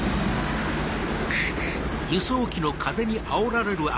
くっ。